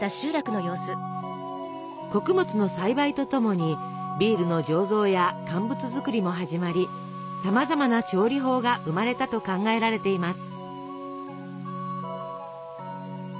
穀物の栽培とともにビールの醸造や乾物作りも始まりさまざまな調理法が生まれたと考えられています。